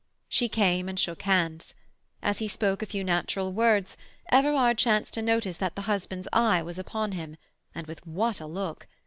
She came and shook hands. As he spoke a few natural words, Everard chanced to notice that the husband's eye was upon him, and with what a look!